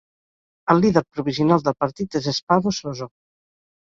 El líder provisional del partit és Espavo Sozo.